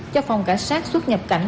cho phòng cả sát xuất nhập cảnh